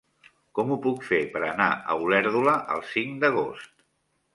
Com ho puc fer per anar a Olèrdola el cinc d'agost?